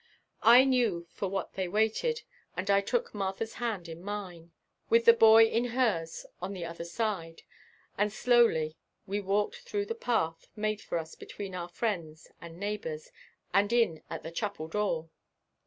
I knew for what they waited and I took Martha's hand in mine, with the boy's in hers on the other side, and slowly we walked through the path made for us between our friends and neighbors and in at the chapel door.